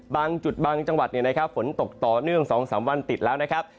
บางจุดบางจังหวัดฝนตกต่อเนื่อง๒๓วันติดแล้วนะครับ